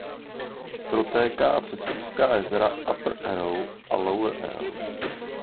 Protéká přes úzká jezera Upper Arrow a Lower Arrow.